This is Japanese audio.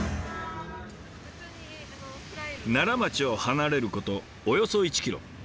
奈良町を離れることおよそ１キロ。